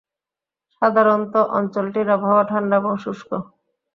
সাধারণত অঞ্চলটির আবহাওয়া ঠান্ডা এবং শুষ্ক।